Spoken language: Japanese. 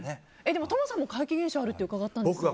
でもトモさんも怪奇現象があると伺ったんですが。